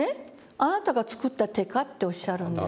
「あなたが作った手か？」っておっしゃるんです。